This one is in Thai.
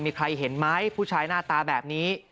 มีใครเห็นไหมผู้ชายหน้าตาแบบนี้